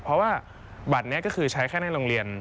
เพราะว่าบัตรนี้ก็คือใช้แค่ในโรงเรียน